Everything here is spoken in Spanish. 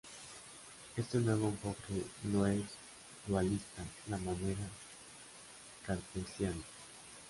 Este nuevo enfoque no es dualista a la manera cartesiana.